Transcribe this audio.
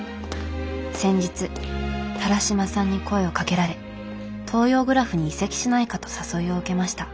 先日田良島さんに声をかけられ東洋グラフに移籍しないかと誘いを受けました」。